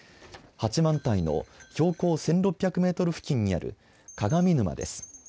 八幡平の標高１６００メートル付近にある鏡沼です。